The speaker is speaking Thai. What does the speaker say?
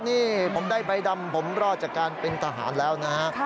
นี่ผมได้ใบดำผมรอดจากการเป็นทหารแล้วนะฮะ